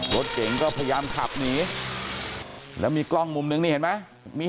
รถเก่งก็พยายามขับหนีแล้วมีกล้องมุมนึงนี่เห็นไหมมี